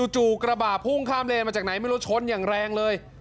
จู่กระบะพุ่งข้ามเลนมาจากไหนไม่รู้ชนอย่างแรงเลย